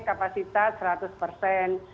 kapasitas seratus persen